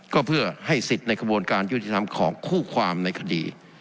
ก็เพื่อให้สิทธิ์ในกระบวนการยุติธรรมของคู่ความในคดี